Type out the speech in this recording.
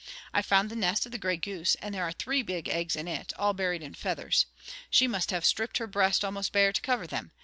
I found the nest of the gray goose, and there are three big eggs in it, all buried in feathers. She must have stripped her breast almost bare to cover them.